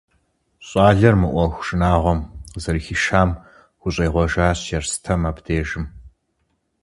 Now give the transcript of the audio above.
Щӏалэр мы ӏуэху шынагъуэм къызэрыхишам хущӏегъуэжащ Ерстэм абдежым.